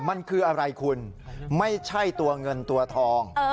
มันคืออะไรคุณไม่ใช่ตัวเงินตัวทอง